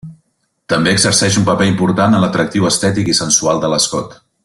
També exerceix un paper important en l'atractiu estètic i sensual de l'escot.